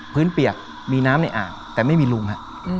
เปียกมีน้ำในอ่างแต่ไม่มีลุงฮะ